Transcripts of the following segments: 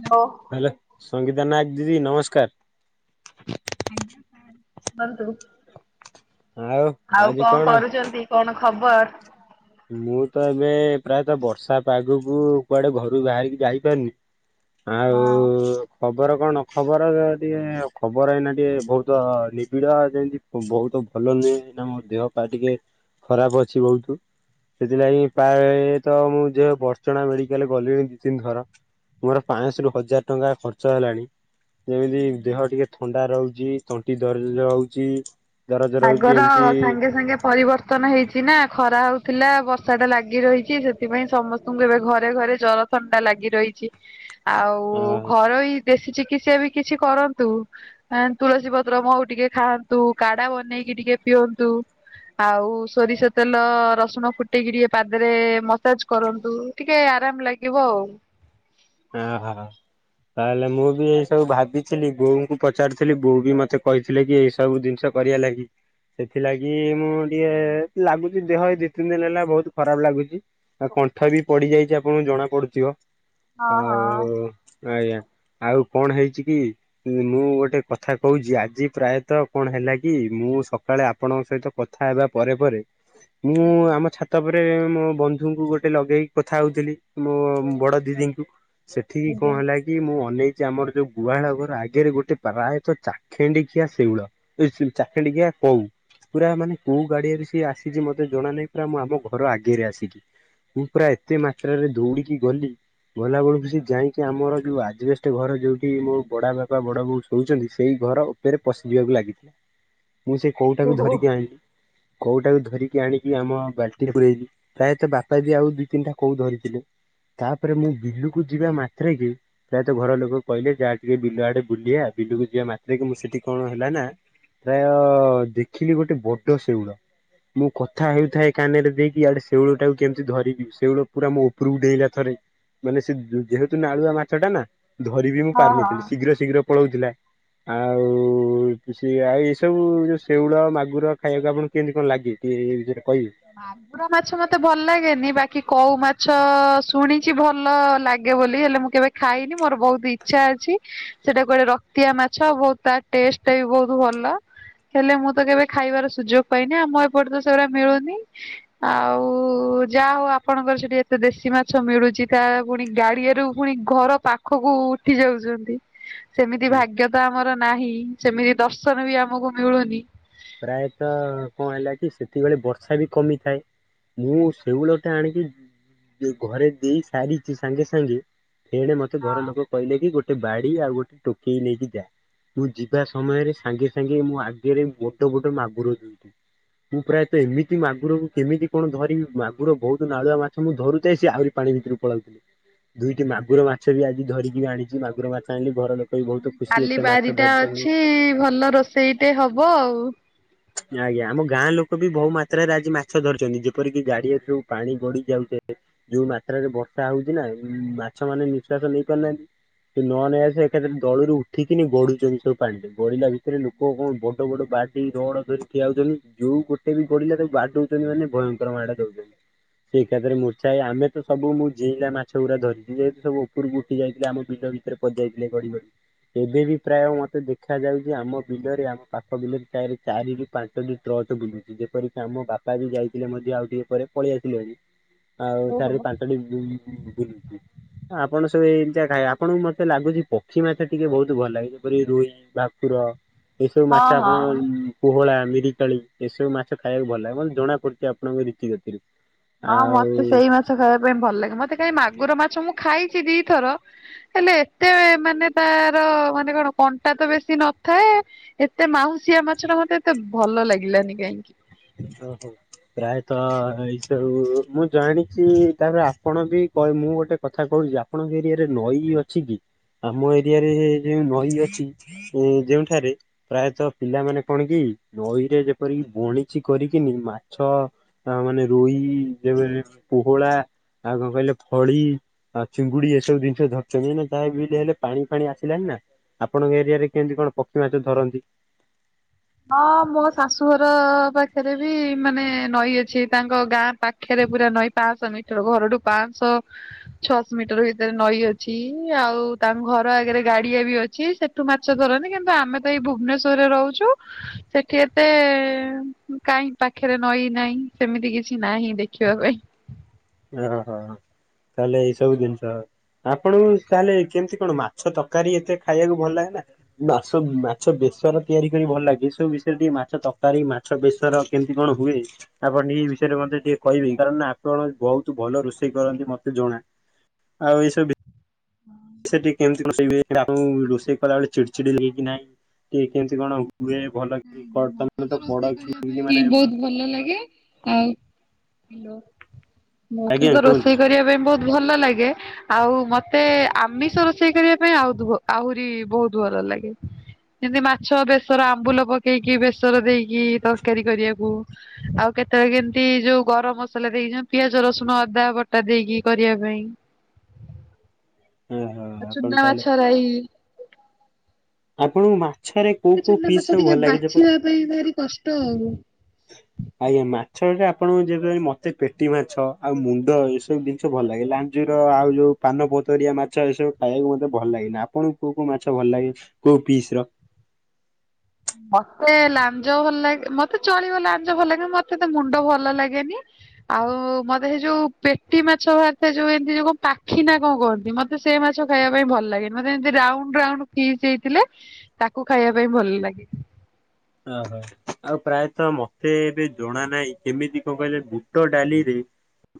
Hello Sangeeta Nayak ଦିଦି ନମସ୍କାର। ଆଜ୍ଞା, ସାର୍ କୁହନ୍ତୁ। ଆଉ କଣ କରୁଛନ୍ତି? କଣ ଖବର? ମୁଁ ତ ଏବେ ପ୍ରାୟତଃ ବର୍ଷା ପାଗକୁ କୁଆଡେ ଘରୁ ବାହାରିକି ଯାଇପାରୁନି? ଆଉ-ଉ-ଉ ଖବର କଣ ଖବର, ଟିକେ-ଏଁ ଖବର ଏଇନା ଟିକେ ବହୁତ ନିବିଡ ଯେଁତି ବହୁତ ଭଲ ନୁହେଁ। ନା, ମୋ ଦେହ ପା ଟିକେ ଖରାପ ଅଛି ବହୁତୁ। ସେଥିଲାଗି ପାଏ ତ ମୁଁ ଯେ ବଡର୍ଚ୍ଚଣା ମେଡିକାଲ୍ ଗଲିଣି ଦି ତିନି ଥର। ମୋର ପାଁ ଶହ ରୁ ହଜାର ଟଙ୍କା ଖର୍ଚ୍ଚ ହେଲାଣି। ଯେମିତି ଦେହ ଟିକେ ଥଣ୍ଡା ରହୁଛି, ତଣ୍ଟି ଦରଜ ହଉଛି। ପାଗର ସାଙ୍ଗେ ସାଙ୍ଗେ ପରିବର୍ତ୍ତ ବର୍ତ୍ତନ ହେଇଛି ନା, ଖରା ହଉଥିଲା ବର୍ଷାଟା ଲାଗି ରହିଛି। ସେଥିପାଇଁ ସମସ୍ତଙ୍କୁ ଏବେ ଘରେ ଘରେ ଜର ଥଣ୍ଡା ଲାଗି ରହିଛି। [inaudible] ଅ ଆଉ-ଉ ଘରୋଇ ଦେଶୀ ଚିକିତ୍ସା ବି କିଛି କରନ୍ତୁ। ଆଁ ତୁଳସୀ ପତ୍ର ମହୁ ଟିକେ ଖାଆନ୍ତୁ। କାଢା ବନ୍ ନେଇକି ଟିକେ ପିଅନ୍ତୁ। ଆଉ, ସୋରିଷ ତେଲ ରସୁଣ ଫୁଟେଇକି ଟିକେ ପାଦରେ ମସାଜ କରନ୍ତୁ। ଟିକେ ଆରାମ ଲାଗିବ ଆଉ। ଆଁ ହା। ତାହେଲେ, ମୁଁ ବି ଏଇ ସବୁ ଭାବିଥିଲି। ବୋଉଙ୍କୁ ପଚାରୁଥିଲି ବୋଉ ବି ମତେ କହିଥିଲେ କି ଏଇ ସବୁ ଜିନିଷ କରିଆ ଲାଗି। ସେଥିଲାଗି ମୁଁ ଟିଏ ଲାଗୁଛି ଦେହ ଏ ଦି ତିନି ଦିନ ହେଲା, ବହୁତ ଖରାପ ଲାଗୁଛି। ଆ କଣ୍ଠ ବି ପଡିଯାଇଛି, ଆପଣଙ୍କୁ ଜଣା ପଡୁଥିବ। ହଁ, ହଁ। ଆୟାଁ, ଆଉ କଣ ହେଇଛି କି ମୁଁ, ଗୋଟେ କଥା କହୁଛି। ଆଜି ପ୍ରାୟତଃ କଣ ହେଲା କି ମୁଁ ସକାଳେ ଆପଣଙ୍କ ସହିତ କଥା ହେବା ପରେ ପରେ ମୁଁ ଆମ ଛାତ୍ ତା'ପରେ ମୋ ବନ୍ଧୁଙ୍କୁ ଗୋଟେ ଲଗେଇକି କଥା ହଉଥିଲି। ମୋ ବଡ ଦିଦିଙ୍କୁ ସେଠିକି କଣ ହେଲା କି? କି ମୁଁ ଅନେଇଛି, ଆମର ଯୋଉ ଗୁହାଳ ଘର ଆଗରେ ଗୋଟେ ପ୍ରାୟତଃ ଚାଖେଣ୍ଡି ଖିଆ ଶେଉଳ ଏ ସେ ଚାଖେଣ୍ଡେ କିଆ କୋଉ ପୁରା ମାନେ କୋଉ ଗାଡିଆରୁ ସିଏ ଆସିଛି, ମତେ ଜଣା ନାହିଁ। ପୁରା ମୋ ଆମ ଘର ଆଗରେ ଆସିକି। ମୁଁ ପୁରା ଏତେ ମାତ୍ରାରେ ଦୌଡିକି ଗଲି ଗୋଲାବେଳୁକୁ ସେ ଯାଇଁକି ଆମର ଯଉଁ ଆଜବେଷ୍ଟ ଘର ଯୋଉଠି ମୋ ବଡ ବାପା ବଡ଼ ବୋଉ ଶୋଉଛନ୍ତି, ସେଇ ଘର ରେ ପଶିଯିବାକୁ ଲାଗିଥିଲା। ମୁଁ ସେଇ କୋଉଟାକୁ ଓହୋ ଧରିକି ଆଇଁଲି। କଉଟାକୁ ଧରିକି ଆଣିକି, ଆମ ବାଲ୍ଟିରେ ପୁରେଇଲି। ପ୍ରାୟତଃ ବାପା ବି ଆଉ ଦୁଇ ତିନିଟା କୋଉ ଧରିଥିଲେ। ତା'ପରେ ମୁଁ ବିଲୁକୁ ଯିବା ମାତ୍ରେ କେ ପ୍ରାୟତଃ ଘର ଲୋକ କହିଲେ, ଯା ଟିକେ ବିଲ ଆଡେ ବୁଲିଆ। ବିଲୁକୁ ଯିବା ମାତ୍ରେ କେ, ମୁଁ ସେଠି କଣ ହେଲା ନା ପ୍ରାୟ-ଅ ଦେଖିଲି ଗୋଟେ ବଡ ଶେଉଳ! ମୁଁ କଥା ହେଉଥାଏ କାନରେ ଦେଇକି, ଇଆଡେ ଶେଉଳ ଟାକୁ କେମିତି ଧରିବି! ଶେଉଳ ପୁରା ମୋ ଉପରକୁ ଡେଇଁଲା ଥରେ। ମାନେ ସେ ଯେହେତୁ ନାଳୁଆ ମାଛ ଟା ନା, ଧରିବି ମୁଁ ହଁ ହଁ। ପାରୁନଥିଲି ଶୀଘ୍ର ଶୀଘ୍ର ପଳଉଥିଲା। ଆଉ-ଉ ସିଆ, ଏଇ ସବୁ ଯୋଉ ଶେଉଳ ମାଗୁର ଖାଇବାକୁ ଆପଣ କିଇଁତି କଣ ଲାଗେ, ଟିଏ ଏ ବିଷୟରେ କହିବେ? [inaudible] ଭାକୁର ମାଛ ମତେ ଭଲ ଲାଗେନି, ବାକି କଉ ମାଛ ଶୁଣିଛି ଭଲ ଲାଗେ ବୋଲି ହେଲେ ମୁଁ କେବେ ଖାଇନି ମୋର ବହୁତ ଇଛା ଅଛି। ସେଟା କୁଆଡେ ରକ୍ତିଆ ମାଛ ବହୁତ୍ ତା ଟେଷ୍ଟଟ୍ ବି ବହୁତ ଭଲ। ହେଲେ ମୁଁ ତ କେବେ ଖାଇବାର ସୁଯୋଗ ପାଇନି ଆମ ଏପଟେ ତ ସେଗୁଡା ମିଳୁନି। [inaudible] ଆଉ ଯାହା ହଉ ଆପଣଙ୍କର ସେଠି ଏତେ ଦେଶୀ ମାଛ ମିଳୁଛି ତା ପୁଣି ଗାଡିଆରୁ ପୁଣି ଘର ପାଖକୁ ଉଠି ଯାଉଛନ୍ତି। ସେମିତି ଭାଗ୍ୟ ତ ଆମର ନାହିଁ ସେମିତି ଦର୍ଶନ ବି ଆମକୁ ମିଳୁନି। ପ୍ରାୟତଃ କଣ ହେଲା କି ସେତିକିବେଳେ ବର୍ଷା ବି କମିଥାଏ। ମୁଁ ସେଉଳଟା ଆଣିକି ଘରେ ଦେଇ ସାରିଛି ସାଙ୍ଗେ ସାଙ୍ଗେ ଏଣେ ମତେ ଘର ଲୋକ କହିଲେ କି ଗୋଟେ ବାଡି ଆଉ ଗୋଟେ ଟୋକେଇ ନେଇକି ଯା ମୁଁ ଯିବା ସମୟରେ ସାଙ୍ଗେ ସାଙ୍ଗେ ମୋ ଆଗରେ ବୋଡ ବଡ ମାଗୁର ଯ ମୁଁ ପ୍ରାୟତଃ ଏମିତି ମାଗୁରକୁ କେମିତି କଣ ଧରିବି ମାଗୁର ବହୁତ ନାଳୁଆ ମା ତ ମୁଁ ଧରୁଥାଏ ସିଏ ଆହୁରି ପାଣି ଭିତରକୁ ପଳାନ୍ତି। ଦୁଇଟି ମାଗୁର ମାଛ ବି ଆଜି ଧରିକି ବି ଆଣିଛି। ମାଗୁର ମାଛ ଆଣିଲି ଘର ଲୋକ ବି ବହୁତ ଖୁସି କାଲି ଏତେ ମାଛ ବାରିଟା ଧରିଛନ୍ତି। ଅଛି ଭଲ ରୋଷେଇଟେ ହବ ଆଉ ଆଜ୍ଞା ଆମ ଗାଁ ଲୋକ ବି ବହୁ ମାତ୍ରାରେ ଆଜି ମାଛ ଧରିଛନ୍ତି। ଯେପରିକି-ଗାଡିଆଠରୁ ପାଣି ବଢଡିି ଯାଉଛ। ଯୋଉ ମାତ୍ରରେ ବର୍ଷା ହଉଛି ନା ମାଛ ମାନେ ନିଃଶ୍ଵାସ ନେଇ ପାରୁନାହାନ୍ତି। ସେ ନ ନ ଆସ ଏକାଥରେ ଦଳୁରୁ ଉଠିକିନି ଗଢୁଛନ୍ତି ସବୁ ପାଣିରେ ଗଢିଲା ଭିତରେ ଲୋକ କଣ ବଡ ବଡ ବାଡି ରଡ ଧରି ଠିଆ ହଉଛନ୍ତି। ଯୋଉ ଗୋଟେ ବି ଗଢିଲା ତାକୁ ବାଡଉଛନ୍ତି ମାନେ ଭୟଙ୍କର ମାଡ ଦଉଛନ୍ତି ସିଏ ଏକାଥରେ ମୁଛାଏ। ଆମେ ତ ସବୁ ମୁଁ ଯଇଁଲା ମାଛ ଗୁଡା ଧଛି ଯେହେତୁ ସବୁ ଉପରକୁ ଉଠି ଯାଇଥିଲା ଆମ ବିଲ ପଶିଯାଇଥିଲେ ଗଡି ଗଡି ଏବେ ବି ପ୍ରାୟ ମତେ ଦେଖା ଯାଉଛି ଆମ ବିଲରେ ଆମ ପାଖ ଆମ ବିଲରେ ପ୍ରାୟ ଚାରିରୁ ପାଞ୍ଚଟି ଟ୍ରଚ୍ ବୁଲୁଛି। ଯେପରିକି- ଆମ ବାପା ବି ଯାଇଥିଲେ ମଧ୍ୟ ଆଉ ଟିକେ ପରେ। ପଳେଇ ଆସିଲୁ ଆଜି ଆଉ ଓହୋ ଚାରିରୁ ପାଞ୍ଚଟି ବୁ ଆପଣ ସବୁ ଏମିତିଆ ଖାଇବେ ଆପଣଙ୍କୁ ମତେ ଲାଗୁଛି ପକ୍ଷୀ ମାଛ ଟିକେ ବହୁତ ଭଲ ଲାଗେ। ଯେପରିକି-ରୋହି। ଭାକୁର ଏସବୁ ହଁ ମାଛ ହଁ। ଆପଣ ପୋହଳା, ମିରିକାଳି ଏସବୁ ମାଛ ଖାଇବାକୁ ଭଲ ଲାଗେ ମତେ ଜଣା ପଡୁଛି ଆପଣଙ୍କ ରୀତିଗତି ହଁ ମତେ ସେଇ ମାଛ ଖାଇବା ପାଇଁ ଭଲ ଲାଗେ ମତେ କାଇଁ ମାଗୁର ମାଛ ମୁଁ ଖାଇଛି ଦିଥର। ହେଲେ ଏତେ ମାନେ ତାର ମାନେ କଣ କଣ୍ଟା ତ ବେଶୀ ନଥାଏ। ଏତେ ମାଉସିଆ ମାଛଟା ମତେ ଏତେ ଭଲ ଲାଗିଲାନି କାହିଁକି। ହଉ ହଉ। ପ୍ରାୟତଃ ଏଇସବୁ ମୁଁ ଜାଣିଛି ତାପରେ ଆପଣ ବି ମୁଁ ଗୋଟେ କଥା କହୁଛି। ଆପଣଙ୍କ ଏରିଆରେ ନଈ ଅଛି କି ଆମ ଏରିଆରେ ଯୋଉଁ ନଈ ଅଛି। ଯେଉଁଠାରେ ପ୍ରାୟତଃ ପିଲାମାନେ କଣ କି ନଈରେ ଯେପରିକି ବଣି। ଚି କରିକିନି ମାଛ ମାନେ ରୋଇ ଯେମିତି ପୋହଳା। ଆଉ କଣ କହିଲେ ଫଳି। ଆଉ ଚିଙ୍ଗୁଡି ଏସବୁ ଜିନିଷ ଧରିଛନ୍ତି ନା ଯାହା ବି ହେଲେ ପାଣି ଫାଣି ଆସିଲାଣି ନା। ଆପଣଙ୍କ ଏରିଆରେ କେମିତି କଣ ପକ୍ଷୀ ମାଛ ଧରନ୍ତି? ହଁ ମୋ ଶାଶୁଘର ପାଖରେ ବି ମାନେ ନଈ ଅଛି ତାଙ୍କ ଗାଁ ପାଖ ପାଖରେ ପୁରା ନଈଁ ପାଞ୍ଚଶହ ମିଟର ଘରଠୁ ପାଞ୍ଚଶହ। ଛଅଶ ମିଟର ଭିତରେ ନଈ ଅଛି ଆଉ ତାଙ୍କ ଘର ଆଗରେ ଗାଡିଆ ବି ଅଛି ସେଠ ଠୁ ମାଛ ଧରନ୍ତିି କିନ୍ତୁ ଆମେ ତ ଏଇ ଭୁବନେଶ୍ୱରରେ ରହୁଛୁ। ସେଠି ଏତେ କାହିଁ ପାଖରେ ନଈ ନାହିଁ ସେମିତି କିଛି ନାହିଁ ଦେଖିବା ପାଇଁ। ଓ ହୋ ତାହେଲେ ଏଇ ସବୁ ଜିନିଷ। ଆପଣଙ୍କୁ ତାହେଲେ କେମିତି କଣ? ମାଛ ତରକାରୀ ଏତେ ଖାଇବାକୁ ଭଲ ଲାଗେ ନା? ମାଛ ମାଛ ବେଶର ତିଆରି କରି ଭଲ ଲାଗେ ଏ ସବୁ ବିଷୟରେ ଟିକେ ମାଛ ତରକାରୀ। ମାଛ ବେଶର କେମିତି କଣ ହୁଏ ଆପଣ ଏଇ ବିଷୟରେ ମଧ୍ୟ ଟିକେ କହିବେ କାରଣ ଆପଣ ବହୁତ ଭଲ ରୋଷେଇ କରନ୍ତି ମତେ ଜଣା ଆଉ ଏଇ ସବୁ। ସେଠି କେମତି ରୋଷେଇ ହୁଏ ରୋଷେଇ କଲା ବେଳେ ଚିଡି ଚିଡି ଲାଗେ କି ନାଇଁ [unintelligible] କି କେମତି କଣ ହୁଏ ଭଲ କି [inaudible] ମାନେ, ଭଲ ଲାଗେ ଆଉ ହାଲୋ। ମତେ ଆଜ୍ଞା ତ କୁହନ୍ତୁ। ରୋଷେଇ କରିବା ପାଇଁ ବହୁତ ଭଲ ଲାଗେ। ଆଉ ମତେ ଆମିଷ ରୋଷେଇ କରିବା ପାଇଁ ଆଉ ଆହୁରି ବହୁତ ଭଲ ଲାଗେ। ଯେମିତି ମାଛ ବେସର ଆମ୍ବୁଲ ପକେଇକି ବେସର ଦେଇକି ତରକାରୀ କରିବାକୁ, ଆଉ କେତେବେଳେ କେମିତି ଯୋଉ ଗରମ ମସଲା ଦେଇକି ଯୋଉ ପିଆଜ ରସୁଣ ଅଦା ବଟା ଦେଇକି କରିବା ପାଇଁ। ଓହୋ ଆଉ ଆପଣ ଚୁନା ତାହେଲେ ମାଛରାଇ ଆପଣଙ୍କୁ ମାଛରେ କୋଉ କୋଉ ଚୁନା ମାଛ ପିସ ସବୁ ଟିକେ ଭଲ ଲାଗେ ଯେ? ବାଛିବା ପାଇଁ ଭାରି କଷ୍ଟ ଆଉ। [inaudible] ଆଜ୍ଞା ମାଛରେ ଆପଣଙ୍କୁ ଯେ ମତେ ପେଟି ମାଛ ଆଉ ମୁଣ୍ଡ ଏସବୁ ଜିନିଷ ଭଲ ଲାଗିଲା ଲା ଖଜୁର ଆଉ ଯେଉଁ ପାନ ପତରିଆ ମାଛ ଏସବୁ ଖାଇବାକୁ ମୋତେ ଭଲ ଲାଗେନି ଆପଣଙ୍କୁ କୋଉ କୋଉ ମାଛ ଭଲ ଲାଗେ? କଉ ଫିସ ର? ମତେ ଲାଞ୍ଜ ଭଲ ଲାଗେ ମତେ ଚଳିବ ଲାଞ୍ଜ ଭଲ ଲାଗେ ମତେ ତ ମୁଣ୍ଡ ଭଲ ଲାଗେନି। ଆଉ ମତେ ସେଇ ଯୋଉ ପେଟି ମାଛ ବାହାରିଥାଏ ଯୋଉ ଏମିତି ଯୋଉ କଣ ପାଖି ନା କଣ କହନ୍ତି ମତେ ସେ ମାଛ ଖାଇବା ପାଇଁ ଭଲ ଲାଗେନି ମତେ ଏମିତି ରାଉଣ୍ଡ ରାଉଣ୍ଡ ଫିସ ହେଇଥିଲେ ତାକୁ ଖାଇବା ପାଇଁ ଭଲ ଲାଗେ। ଅ ହୋ। ଆଉ ପ୍ରାୟତଃ ମତେ ଏବେ ଜଣା ନାହିଁ କେମିତି କଣ କହିଲେ ବୁଟ ଡାଲିରେ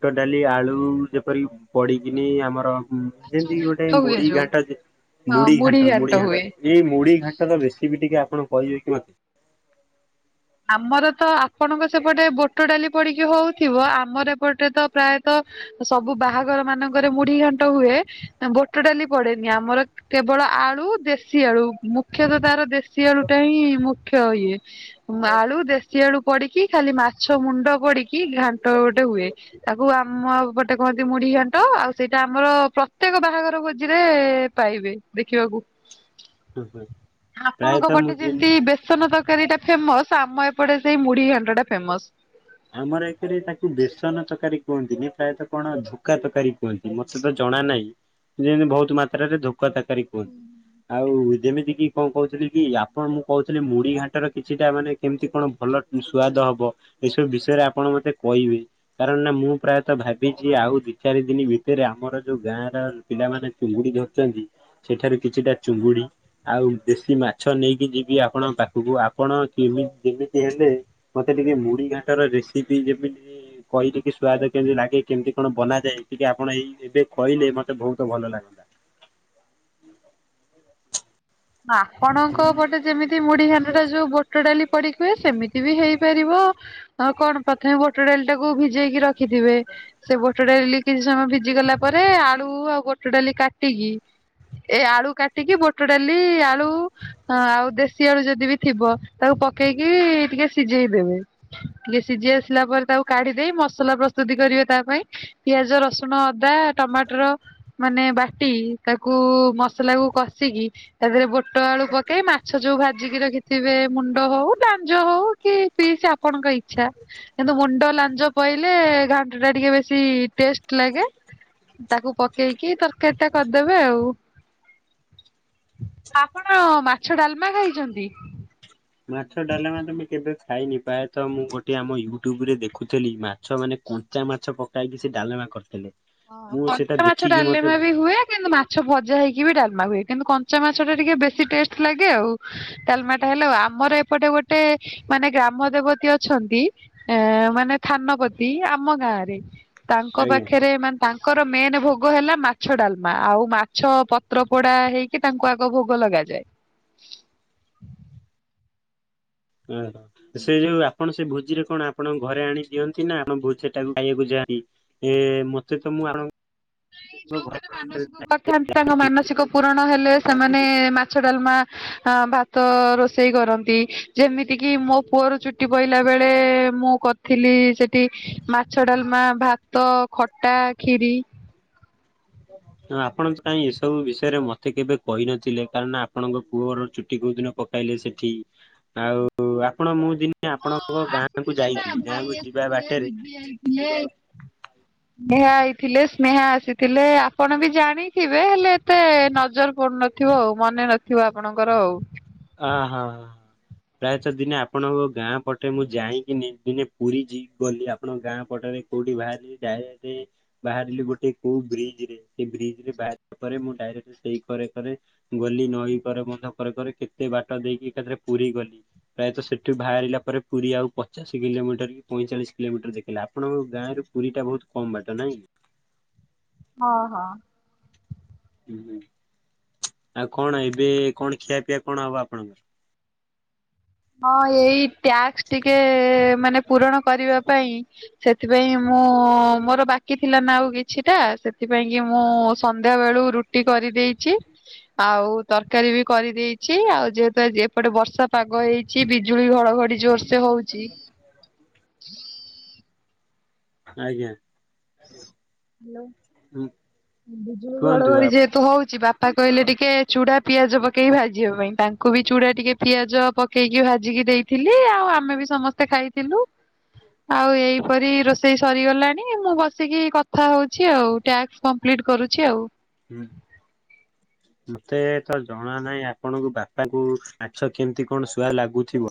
ବୁଟଡାଲି ଆଳୁ ଯେପରି ପଡିକିନି ଆମର ହଁ ଯେମିତି ଗୋଟେ ତ ହୁଏ ମୁଢି ଯୋଉ। ଘାଣ୍ଟ ମୁଢି ଘାଣ୍ଟ ମୁଢି ଘାଣ୍ଟ। ଏଇ ମୁଢ଼ି ଘାଣ୍ଟ ର ରେସିପି ଟିକେ ଆପଣ କହିବେ କି ମତେ? ଆମର ତ ଆପଣଙ୍କ ସେପଟେ ବୋଟ ଡାଲି ପଡିକି ହଉଥିବ ଆମର ଏପଟେ ତ ପ୍ରାୟ ତ ସବୁ ବାହାଘର ମାନଙ୍କରେ ମୁଢି ଘାଣ୍ଟ ହୁଏ ଗୋ ବୁଟ ଡାଲି ପଡ଼େନି ଆମର କେବଳ ଆଳୁ ଦେଶୀ ଆଳୁ ମୁଖ୍ୟତଃ ତାର ଦେଶୀ ଷୀ ଆଳୁ ଟା ହିଁ ମୁଖ୍ୟ ଇଏ ଆଳୁ ଦେ ଦେସିଆଡୁ ପଡିକି ଖାଲି ମାଛ ମୁଣ୍ଡ ପଡିକି ଘାଣ୍ଟ ଗୋଟେ ହୁଏ। ତାକୁ ଆମ ପଟେ କହନ୍ତି ମୁଢି ଘଣ୍ଟ ଆଉ ସେଇଟା ଆମର ପ୍ରତ୍ୟେକ ବାହାଘର ଭୋଜିରେ, ପାଇବେ ଦେଖିବାକୁ। ଆପଣଙ୍କ ପ୍ରାୟତଃ ମୁଁ ପଟେ ଯେମ ଯେମିତି ବେଶ ବେସନ ତରକାରୀ ଟା ଫେମସ ଆମ ଏପଟେ ସେଇ ମୁଢି ଘାଣ୍ଟଟା ଫେମସ। ଆମର ଏଥିରେ ତାକୁ ବେସନ ତରକାରୀ କୁହନ୍ତିନି ପ୍ରାୟତଃ କଣ ଝୁକା ତରକାରୀ କୁହନ୍ତି ମତେ ତ ଜଣା ନାହିଁ। ଯେ ବହୁତ ମାତ୍ରାରେ ଧୋକ ତାକାରୀ କୁହନ୍ତି ଆଉ ଯେମିତି କି କଣ କହୁଥିଲି କି ଆପଣ ମୁଁ କହୁଥିଲି ମୁଢି ଘାଣ୍ଟର କିଛିଟା ମାନେ କେମିତି କଣ ଭଲ ସୁଆଦ ହବ କ ଏସବୁ ବିଷୟରେ ଆପଣ ମତେ କହିବେ। କାରଣ ନା ମୁଁ ପ୍ରାୟତଃ ଭାବିଛି ଆଉ ଦି ଚାରି ଦିନ ଭିତରେ ଆମର ଯୋଉ ଗାଁ ର ପିଲାମାନେ ଚୁଙ୍ଗୁଡି ଧରୁଛନ୍ତି ସେଠାରୁ କିଛିଟା ଚୁଙ୍ଗୁଡି ଆଉ ଦେଶୀ ମାଛ ନେଇକି ଯିବି ଆପଣଙ୍କ ପାଖକୁ ଆପଣ କେ ଯେମିତି ହେଲେ ମତେ ଟିକେ ମୁଢ଼ି ଘାଣ୍ଟର ରେସିପି ଯେମିତି କହି ଟିକି ସ୍ୱାଦ କେମିତି ଲାଗେ କେମିତି କଣ ବନାଯାଏ ଟିକେ ଆପଣ ଏଇ ଏବେ କହିଲେ ମତେ ବହୁତ ଭଲ ଲାଗନ୍ତା। ଆପଣଙ୍କ ପଟେ ଯେମିତି ମୁଢି ଘାଣ୍ଟ ଟା ଯୋଉ ବୋଟ ଡାଲି ପଡିକି ହୁଏ ସେମିତି ବି ହେଇପାରିବ ଆଉ କଣ ପ୍ରଥମେ ବୋଟ ଡାଲି ଟାକୁ ଭିଜେଇକି ରଖିଥିବେ। ସେ ବୋଟ ଡାଲି କିଛି ସମୟ ଭିଜି ଗଲା ପରେ ଆଳୁ ଆଉ ବୋଟ ଡାଲି କାଟିକି ଏ ଆଳୁ କାଟିିକି ବୁଟଡ଼ାଲି ଆଳୁ ହଁ ଆଉ ଦେଶୀ ଆଳୁ ଯଦି ବି ଥିବ ତାକୁ ପକେଇକି ଟିକେ ସିଝେଇ ଦେବେ। ଟିକେ ସିଝି ଆସିଲା ପରେ ତାକୁ କାଢି ଦେଇ ମସଲା ପ୍ରସ୍ତୁତି କରିବେ ତା ପାଇଁ। ପିଆଜ ରସୁଣ ଅଦା ଟମାଟର ମାନେ ବାଟି ତାକୁ ମସଲା କୁ କଷିକି ତା ଦେହରେ ବୁଟ ଆଳୁ ପକେଇ ମାଛ ଯୋଉ ଭାଜିକି ରଖି ଥିବେ ମୁଣ୍ଡ ହଉ ଲାଞ୍ଜ ହଉ କି ପିସ୍‌ ସେ ଆପଣଙ୍କ ଇଚ୍ଛା। କିନ୍ତୁ ମୁଣ୍ଡ ଲାଞ୍ଜ ପଇଲେ ଘାଣ୍ଟ ଟା ଟିକେ ବେଶୀ ଟେଷ୍ଟ ଲାଗେ। ତାକୁ ପକେଇକି ତରକାରୀ ଟା କରିଦେବେ ଆଉ। ଆପଣ ମାଛ ଡାଲମା ଖାଇଛନ୍ତି। ମାଛ ଡାଲେମା ତମେ କେବେ ଖାଇନି ପ୍ରାୟ ତ ମୁଁ ଗୋଟେ ଆମ ୟୁଟ୍ୟୁବ ରେ ଦେଖୁଥିଲି ମା - - ମାଛ ମାନେ କଞ୍ଚା ମାଛ ପକାଇକି ସେ ଡାଲମା କରିଥିଲେ। ହ ମୁଁ ସେଇଟା କଞ୍ଚା ମାଛ ଦେଖିକି ମତେ ଡାଲମା ବି ହୁଏ କିନ୍ତୁ ମା ମାଛ ଭଜା ହେଇକି ବି ଡାଲ୍‌ମା ହୁଏ କିନ୍ତୁ କଞ୍ଚା ମାଛ ଟା ଟିକେ ବେଶୀ ଟେଷ୍ଟ ଲାଗେ ଆଉ ଡାଲ୍‌ମା ଟା ହେଲେ ଆଉ ଆମର ଏପ ଏପଟେ ଗୋଟେ ମାନେ ଗ୍ରାମ ଦେବତୀ ଅଛନ୍ତି। ଏ ମାନେ ଥାନପତି ଆମ ଗାଁ ରେ ତାଙ୍କ ଆଜ୍ଞା ପାଖରେ ମାନ୍‌ ତାଙ୍କର ମେନ୍ ଭୋଗ ହେଲା ମାଛ ଡାଲମା ଆଉ ମାଛ ପତ୍ର ପୋଡା ହେଇ କି ତାଙ୍କୁ ଆଗ ଭୋଗ ଲଗାଯାଏ। ଆହା ସେଇ ଯୋଉ ଆ ଆପଣ ସେ ଭୋଜିରେ କଣ ଆପଣ ଘରେ ଆଣି ଦିଅନ୍ତି ନା ଆଣ ଭୋଜି ଟାକୁ ଖାଇବାକୁ ଯାଇ ଏ ମତେ ତ ମୁଁ ଆପଣ। ଯୋଉମାନେ ମାନସିକ ଆପଣ କରିଥାନ୍ତି ତାଙ୍କ ମାନସିକ ପୁରଣ ହେଲେ ସେମାନେ ମାଛ ଡାଲମା ହାଁ ଭାତ ରୋଷେଇ କରନ୍ତି ଯେମିତି କିି ମୋ ପୁଅର ଚୁଟି ପଇଲା ବେଳେ ମୁଁ କର - - ଥିଲି ସେଠି ମାଛ ଡାଲମା ଭାତ ଖଟା ଖିରି। ଆପଣ ତ କାଇଁ ଏସବୁ ବିଷୟରେ ମତେ କେବେ କହିନଥିଲେ କାରଣ ଆପଣଙ୍କ ପୁଅର ଚୁଟି କୋଉ ଦିନ ପକ - - ପାଇଲେ ସେଠି ଆଉ ଆପଣ ମୁ ଦିନେ ଆପଣଙ୍କ ପୁଅ ଗାଁ କୁ ଯାଇଥିଲି ଗାଁକୁ ଯିବା ବାଟେରେ ଇଏ। ନେହା ଆଇଥିଲେ ସ୍ନେହା ଆସିଥିଲେ ଆପଣ ବି ଜାଣିଥିବେ ହେଲେ ଏତେ ନଜର ପଡୁନ। ଥିବ ଆଉ ମନେ ନଥିବ ଆପଣଙ୍କର ଆଉ। ଆଁ ହାଁ। ପ୍ରାୟତଃ ଦିନେ ଆପଣଙ୍କ ଗାଁ ପଟେ ମୁଁ ଯାଇଁକିନି ଦିନେ ପୁରୀ ଯି ଗଲି ଆପଣଙ୍କ ଗାଁ ପଟରେ। କୋଉଠି ବାହାରିଲି ଯାଏ ଏଠି। ବାହାରିଲି ଗୋଟେ କୋଉ ବ୍ରିଜ ରେ ସେ ବ୍ରିଜ ରେ ବାହାରିଲା ପରେ ମୁଁ ଡାଇରେକ୍ଟ ସେଇ କରେ କରେ ଗଲି ନଈ କରେ ମଧ୍ୟ କରେ କରେ କେତେ ବାଟ ଦେଇକି ଏକାଥରେ ପୁରୀ ଗଲି। ପ୍ରାୟତ ସେଠି ବାହାରିଲା ପରେ ପୁରୀ ଆଉ ପଚାଶ କିଲୋମିଟର କି ପଇଁଚାଳିଶ କିଲୋମିଟର ଦେଖିଲା ଆପଣଙ୍କ ଗାଁରୁ ପୁରୀ ଟା ବହୁତ କମ୍ ବାଟ ନାଇଁ। ହଁ ହଁ। ହୁଁ ହୁଁ ଆଉ କଣ ଏବେ କଣ ଖିଆ ପିଆ କଣ ହବ ଆପଣଙ୍କର। ହଁ ଏଇ ଟାସ୍କଟିକେ ମାନେ ପୂରଣ କରିବା ପାଇଁ ସେଥିପାଇଁ ମୁଁ ମୋର ବାକି ଥିଲା ନା ଆଉ କିଛିଟା ସେଥିପାଇଁ କି ମୁଁ ସନ୍ଧ୍ୟାବେଳୁ ରୁଟି କରିଦେଇଚି। ଆଉ ତରକାରୀ ବି କରିଦେଇଚି ଆଉ ଯେହେତୁ ଆଜି ଏପଟେ ବର୍ଷା ପାଗ ହେଇ ଚି ବିଜୁଳି ଘଡଘଡି ଜୋରସେ ହଉଛି। ଆଜ୍ଞା। ହାଲୋ ବିଜୁଳି କୁହନ୍ତୁ ଘଡଘଡି ଯେହେତୁ ହଉଛି ବା ପା କହିଲେ ଟିକେ ଚୁଡା ପିଆଜ ପକେଇକି ଭାଜିବା ପାଇଁ ତାଙ୍କୁ ବି ଚୁଡା ଟିକେ ପିଆଜ ପକେଇକି ଭାଜିକି ଦେଇ ଥିଲି ଆଉ ଆମେ ବି ସମସ୍ତେ ଖାଇଥିଲୁ। ଆଉ ଏଇପରି ରୋଷେଇ ସରିଗଲାଣି ମୁଁ ବସିକି କ ଥା ହଉଛି ଆଉ ଟାସ୍କ କମ୍ପ୍ଲିଟ କରୁଛି ଆଉ। ହୁଁ। ମତେ ତ ଜଣା ନାହିଁ ଆପଣଙ୍କୁ ବାପାଙ୍କୁ ମାଛ କେମିତି କଣ ଶୁଆ ଲାଗୁଥିବ।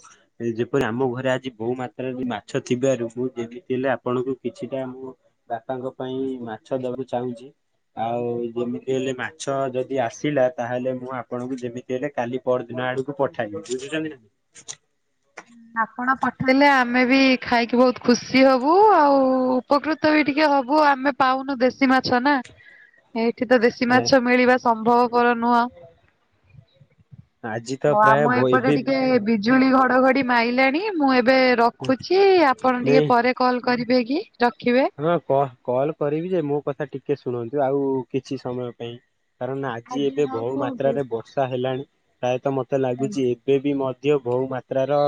ଯେପରି ଆମ ଘରେ ଆଜି ବହୁ ମାତ୍ରାରେ ମାଛ ଥିବାରୁ ମୁଁ ଯେମିତି ହେଲେ ଆପଣଙ୍କୁ କିଛିଟା ବାପାଙ୍କ ପାଇଁ ମାଛ ଦବାକୁ ଚାହୁଁଛି ଆଉ ଯେମିତି ହେଲେ ମାଛ ଯଦି ଆସିଲା ତାହେଲେ ମୁଁ ଆପଣଙ୍କୁ ଯେମିତି ହେଲେ କାଲି ପରଦିନ ଆଡକୁ ପଠେଇଲୁ ବୁଝୁଛନ୍ତି ନା। ଆପଣ ପଠେଇଲେ ଆମେ ବି ଖାଇକି ବହୁତ ଖୁସି ହବୁ ଆଉ ଉପକୃତ ବି ଟିକେ ହବୁ ଆମେ ପାଉନୁ ଦେଶୀ ମାଛ ନା। ଏଇଠି ତ ଦେଶୀ ମାଛ ମିଳିବା ସମ୍ଭବ। ମୋର ନୁହଁ ଆଜି ତ ପ୍ରାୟ ଆମ ଏପଟେ ଏବେ ଟିକେ ଭି ଜଝୁଳି ଘଡ଼ଘଡ଼ି ମାଇଲାଣି ମୁଁ ଏବେ ରଖୁଛି ଆପଣ ଟିକେ ନାଇଁ ପରେ କଲ କରିବେ କି ରଖିବେ। ହଁ କଲ୍ କଲ୍ କରିବି ଯେ ମୋ କଥା ଟିକେ ଶୁଣନ୍ତୁ। ଆଉ କିଛି ସମୟ ପାଇଁ। କାରଣ ଆଜି ଏବେ ବହୁ ମାତ୍ରାରେ ବର୍ଷା ହେଲାଣି ପ୍ରାୟତଃ ମତେ ଲାଗୁଛି ଏବେ ବି ମ ଦିଅ ବହୁ ମାତ୍ରାର